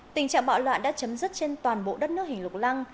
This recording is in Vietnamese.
tình trạng bạo loạn đã chấm dứt trên toàn bộ đất nước hình lục lăng